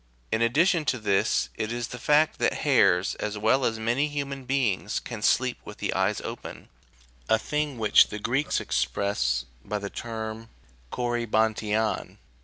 In addition to this, it is the fact that hares, as well as many human beings, can sleep with the eyes open, a thing which the Greeks express by the term 7t,opvJ3avriav.